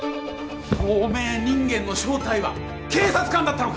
透明人間の正体は警察官だったのか！？